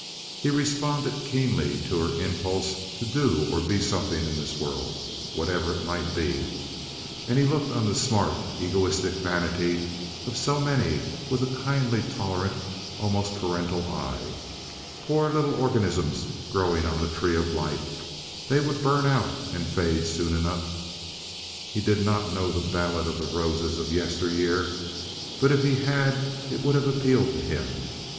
He responded keenly to her impulse to do or be something in this world, whatever it might be, and he looked on the smart, egoistic vanity of so many with a kindly, tolerant, almost parental eye. Poor little organisms growing on the tree of life—they would burn out and fade soon enough. He did not know the ballad of the roses of yesteryear, but if he had it would have appealed to him.